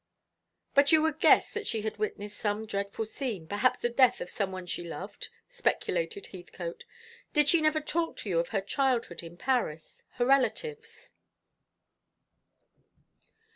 "But you would guess that she had witnessed some dreadful scene, perhaps the death of some one she loved," speculated Heathcote. "Did she never talk to you of her childhood in Paris, her relatives?"